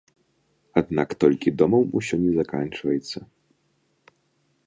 Аднак толькі домам усё не заканчваецца.